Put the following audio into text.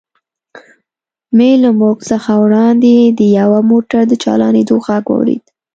مې له موږ څخه وړاندې د یوه موټر د چالانېدو غږ واورېد.